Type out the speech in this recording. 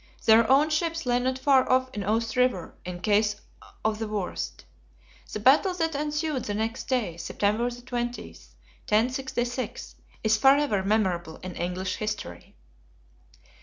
Their own ships lay not far off in Ouse River, in case of the worst. The battle that ensued the next day, September 20, 1066, is forever memorable in English history.